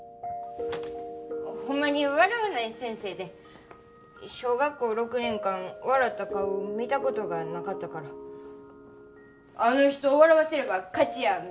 ほんまに笑わない先生で小学校６年間笑った顔を見た事がなかったからあの人を笑わせれば勝ちやみたいな。